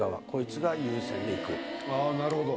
あなるほど。